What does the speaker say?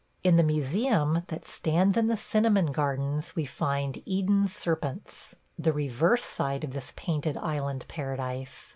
In the museum that stands in the cinnamon gardens we find Eden's serpents – the reverse side of this painted island paradise.